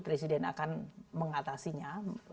presiden akan mengatasinya